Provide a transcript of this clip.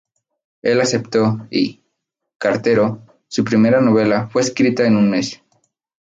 Él aceptó, y "Cartero", su primera novela, fue escrita en un mes.